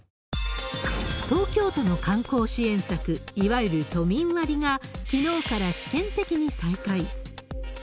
東京都の観光支援策、いわゆる都民割がきのうから試験的に再開。